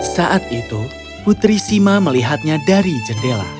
saat itu putri sima melihatnya dari jendela